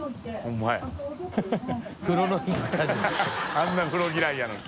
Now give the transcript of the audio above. あんなに風呂嫌いやのに。